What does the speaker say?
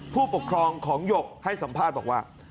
ผู้ปกครองของหยกให้สัมภาษณ์บอกว่า